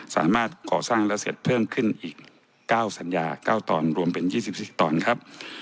สามารถก่อสร้างแล้วเสร็จเพิ่มขึ้นอีก๙สัญญา๙ตอนรวมเป็น๒๔ตอนครับ